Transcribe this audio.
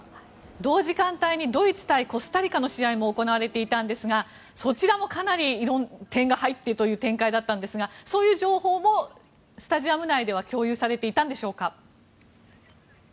同時間帯にドイツ対コスタリカの試合も行われていたんですがそちらもかなり点が入ってという展開でしたがそういう情報もスタジアム内では共有されていたんでしょうか。